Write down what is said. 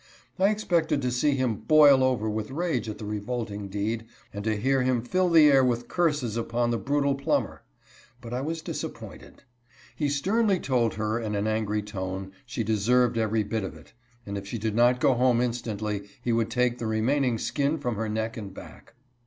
I expected to see him boil over with rage at the revolting deed, and to hear him fill the air with curses upon the brutal Plummer: but I was disappointed. He sternly told her in an angry tone, "She deserved every bit of it, and if she did not go home instantly he would himself take the remaining skin from her neck and back."